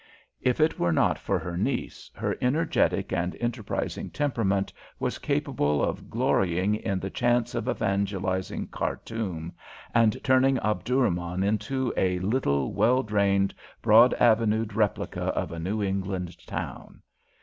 If it were not for her niece her energetic and enterprising temperament was capable of glorying in the chance of evangelising Khartoum, and turning Omdurman into a little well drained, broad avenued replica of a New England town.